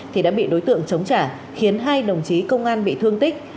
thì đã bị đối tượng chống trả khiến hai đồng chí công an bị thương tích